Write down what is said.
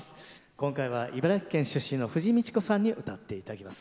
今回は茨城県出身の藤みち子さんにうたっていただきます。